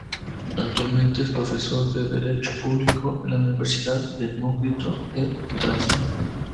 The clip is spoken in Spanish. Actualmente es profesor de derecho público en la Universidad Demócrito de Tracia.